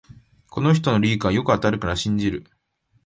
この人のリークはよく当たるから信じる